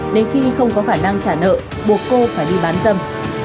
đến khi không có khả năng trả nợ buộc cô phải đi bán dâm